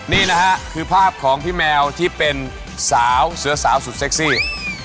นี่นะฮะคือภาพของพี่แมวที่เป็นสาวเสื้อสาวสุดเซ็กซี่